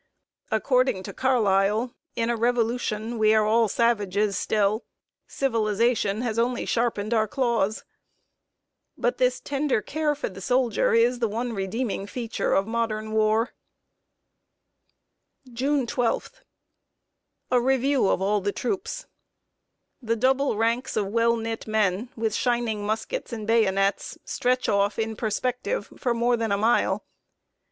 According to Carlyle, "in a revolution we are all savages still; civilization has only sharpened our claws;" but this tender care for the soldier is the one redeeming feature of modern war. [Sidenote: A REVIEW OF THE TROOPS.] June 12. A review of all the troops. The double ranks of well knit men, with shining muskets and bayonets, stretch off in perspective for more than a mile.